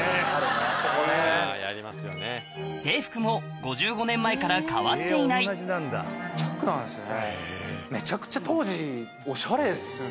制服も５５年前から変わっていないチャックなんですね。